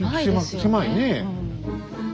狭いねえ。